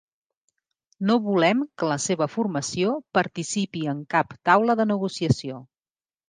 No volem que la seva formació participi en cap taula de negociació.